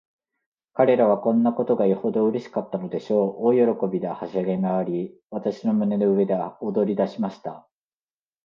彼等はこんなことがよほどうれしかったのでしょう。大喜びで、はしゃぎまわり、私の胸の上で踊りだしました。